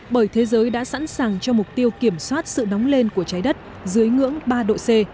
bởi thế giới đã sẵn sàng cho mục tiêu kiểm soát sự nóng lên của trái đất dưới ngưỡng ba độ c